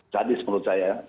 sadis menurut saya